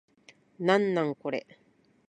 なんなんこれ